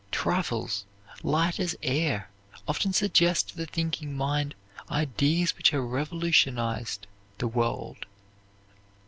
Trifles light as air often suggest to the thinking mind ideas which have revolutionized the world.